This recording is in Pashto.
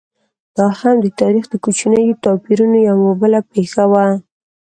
دا هم د تاریخ د کوچنیو توپیرونو یوه بله پېښه وه.